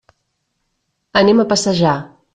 Anem a passejar.